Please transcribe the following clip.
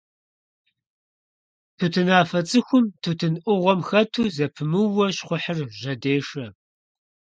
Тутынафэ цӀыхум тутын Ӏугъуэм хэту зэпымыууэ щхъухьыр жьэдешэ.